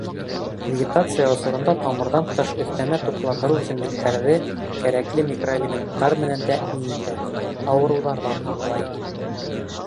Вегетация осоронда тамырҙан тыш өҫтәмә туҡландырыу үҫемлектәрҙе кәрәкле микроэлементтар менән тәьмин итә, ауырыуҙарҙан һаҡлай.